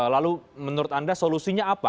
lalu menurut anda solusinya apa